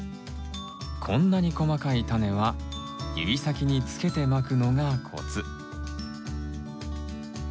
こんなに細かいタネは指先につけてまくのがコツ。